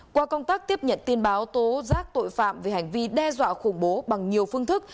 qua công tác tiếp nhận tin báo tố giác tội phạm về hành vi đe dọa khủng bố bằng nhiều phương thức